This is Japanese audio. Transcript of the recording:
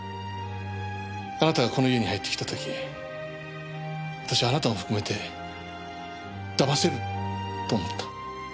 あなたがこの家に入ってきた時私はあなたを含めて騙せると思った。